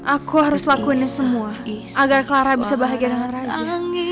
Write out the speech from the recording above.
aku harus lakuinnya semua agar clara bisa bahagia dengan rancang